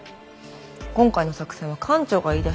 今回の作戦は艦長が言いだしたはず。